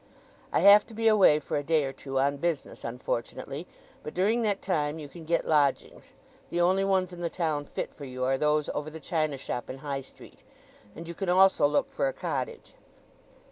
I have to be away for a day or two on business, unfortunately; but during that time you can get lodgings—the only ones in the town fit for you are those over the china shop in High Street—and you can also look for a cottage."